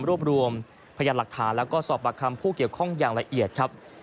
รวบรวมพยานหลักฐานแล้วก็สอบประคำผู้เกี่ยวข้องอย่างละเอียดครับ